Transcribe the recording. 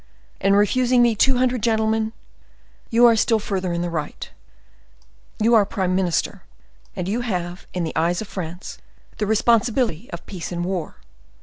In refusing me two hundred gentlemen, you are still further in the right; for you are prime minister, and you have, in the eyes of France, the responsibility of peace and war.